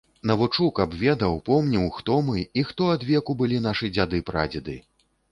Навучу, каб ведаў, помніў, хто мы і хто адвеку былі нашы дзяды-прадзеды.